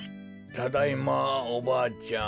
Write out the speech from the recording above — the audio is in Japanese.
ただいまおばあちゃん。